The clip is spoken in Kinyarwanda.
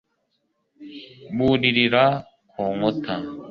buririra ku nkuta